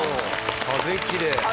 風きれい。